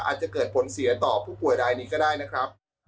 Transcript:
อาจจะเกิดผลเสียต่อผู้ป่วยรายนี้ก็ได้นะครับ